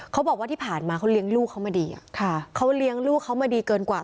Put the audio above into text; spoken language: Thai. เขาบอกว่าที่ผ่านมาเขาเลี้ยงลูกเขามาดีเขาเลี้ยงลูกเขามาดีเกินกว่า